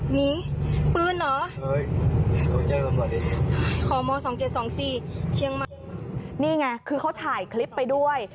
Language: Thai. นี่ไงคือเขาถ่ายคลิปไปด้วย